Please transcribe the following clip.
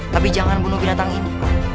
tapi jangan bunuh binatang ini